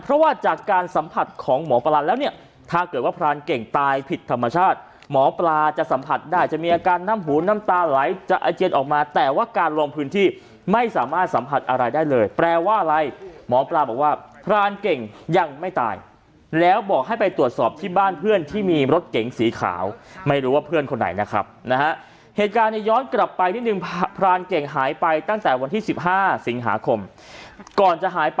เพราะว่าจากการสัมผัสของหมอปราแล้วเนี่ยถ้าเกิดว่าพรานเก่งตายผิดธรรมชาติหมอปราจะสัมผัสได้จะมีอาการน้ำหูน้ำตาไหลจะอาเจียนออกมาแต่ว่าการลงพื้นที่ไม่สามารถสัมผัสอะไรได้เลยแปลว่าอะไรหมอปราบอกว่าพรานเก่งยังไม่ตายแล้วบอกให้ไปตรวจสอบที่บ้านเพื่อนที่มีรถเก๋งสีขาวไม่รู้ว่าเพื่อนคนไหนนะ